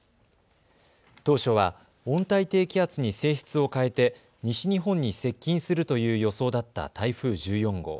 当初は温帯低気圧に性質を変えて西日本に接近するという予想だった台風１４号。